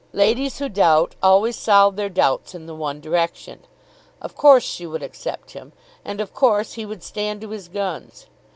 Ladies who doubt always solve their doubts in the one direction. Of course she would accept him; and of course he would stand to his guns.